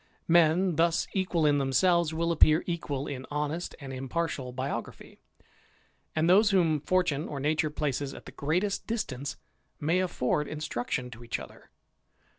Men thus equal in themselves will appear equal in honest and impartial biography ; and those w! fortune or nature places at the greatest distance may instruction to each other.